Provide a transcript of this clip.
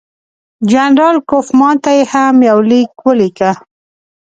جنرال کوفمان ته یې هم یو لیک ولیکه.